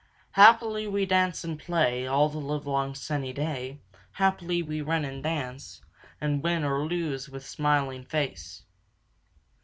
"Happily we dance and play All the livelong sunny day! Happily we run and race And win or lose with smiling face!"